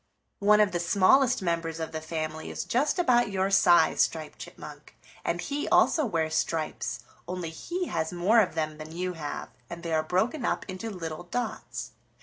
One of the smallest members of the family is just about your size, Striped Chipmunk, and he also wears stripes, only he has more of them than you have, and they are broken up into little dots.